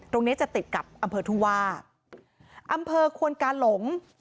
เนี้ยจะติดกับอำเภอทุ่งว่าอำเภอควนกาหลง